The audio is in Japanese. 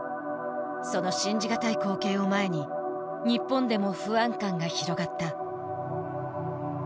その信じ難い光景を前に日本でも不安感が広がった。